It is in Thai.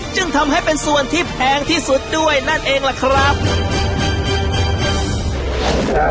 จึงทำให้เป็นส่วนที่แพงที่สุดด้วยนั่นเองล่ะครับ